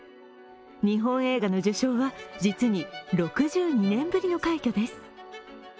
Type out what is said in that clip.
日本映画の受賞は実に６２年ぶりの快挙です。